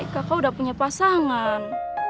kakak udah punya pasangan